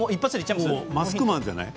マスクマンじゃない？